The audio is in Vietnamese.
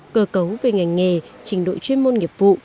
cơ cấu về ngành nghề trình đội chuyên môn nghiệp vụ